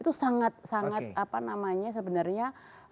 itu sangat sangat apa namanya sebenarnya